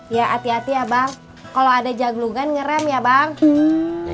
ya hati hati ya bang kalau ada jaglukan ngerem ya bang